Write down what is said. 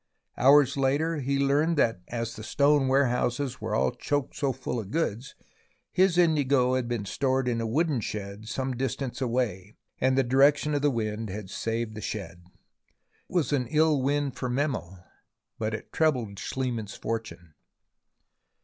Hours later he learned that as the stone warehouses were choked so full of goods, his indigo had been stored in a wooden shed some distance away, and the direction of the wind had saved the shed. It was an ill wind for Memel, but it trebled Schliemann's fortune.